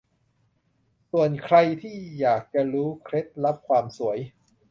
ส่วนใครที่อยากจะรู้เคล็ดลับความสวย